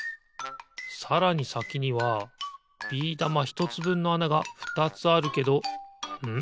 さらにさきにはビー玉ひとつぶんのあながふたつあるけどん？